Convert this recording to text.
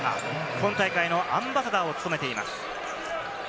今大会のアンバサダーを務めています。